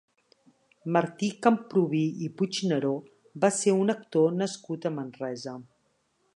Martí Camprubí i Puigneró va ser un actor nascut a Manresa.